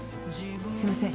すみません。